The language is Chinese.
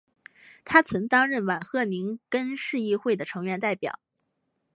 他曾担任瓦赫宁根市议会的成员代表。